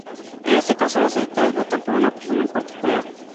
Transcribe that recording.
En este caso, los electores votan por una persona en particular.